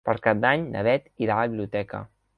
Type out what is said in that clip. Per Cap d'Any na Bet irà a la biblioteca.